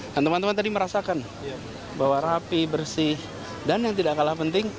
dan teman teman tadi merasakan bahwa rapih bersih dan yang tidak kalah penting